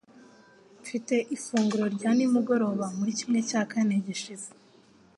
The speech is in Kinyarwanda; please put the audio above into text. Mfite ifunguro rya nimugoroba muri kimwe cya kane gishize.